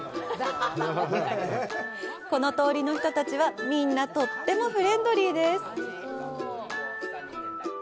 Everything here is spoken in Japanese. この通りの人たちは、みんな、とってもフレンドリーです。